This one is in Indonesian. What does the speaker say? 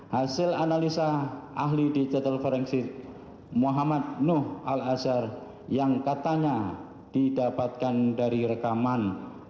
hasil analisa ahli digital forensik muhammad nuh al azhar yang katanya didapatkan dari rekaman